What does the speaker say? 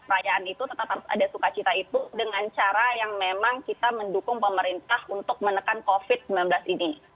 perayaan itu tetap harus ada sukacita itu dengan cara yang memang kita mendukung pemerintah untuk menekan covid sembilan belas ini